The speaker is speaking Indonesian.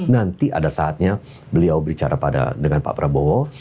nanti ada saatnya beliau bicara dengan pak prabowo